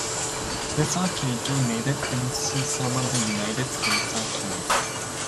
This arcade game made it into some of the United States arcades.